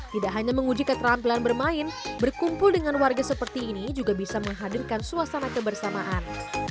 tidak hanya menguji keterampilan bermain berkumpul dengan warga seperti ini juga bisa menghadirkan suasana kebersamaan